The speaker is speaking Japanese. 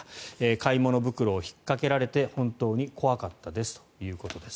買い物袋を引っかけられて本当に怖かったですということです。